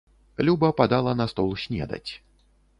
Люба падала на стол снедаць.